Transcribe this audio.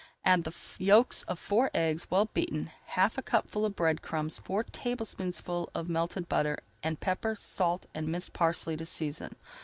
Add the yolks of four eggs, well beaten, half a cupful of bread crumbs, four tablespoonfuls of melted butter, and pepper, salt, and minced parsley to season.